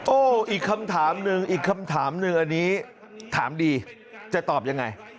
โอ๊ะอีกคำถามนึงอันนี้ถามดีจะตอบอย่างไร